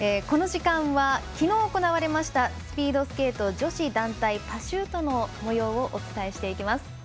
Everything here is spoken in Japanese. この時間はきのう、行われましたスピードスケート女子団体パシュートのもようをお伝えしていきます。